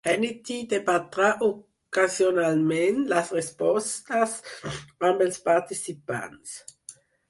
Hannity debatrà ocasionalment les respostes amb els participants.